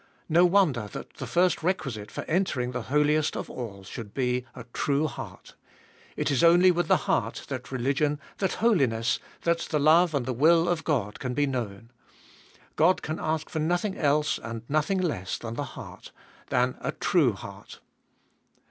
No wonder that the first requisite for entering the Holiest of All should be a true heart. It is only with the heart that religion, that holiness, that the love and the will of God can be known. God can ask for nothing else and nothing less than the heart — than a true heart.